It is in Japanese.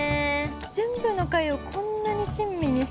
全部の回をこんなに親身に。